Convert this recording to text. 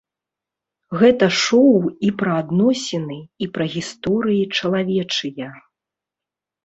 Гэта шоу і пра адносіны, і пра гісторыі чалавечыя.